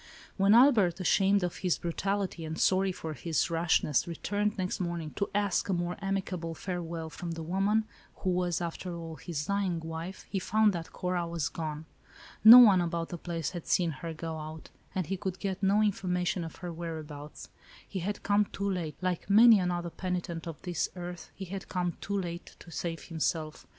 When Albert, ashamed of his brutality, and sorry for his rashness, returned next morning to ask a more amicable farewell from the woman, who was, after all, his dying wife, he found that Cora was gone. No one about the place had seen her go out, and he could get no information of her whereabouts. He had come too late; like many another penitent of this earth, he had come too late, to save himself.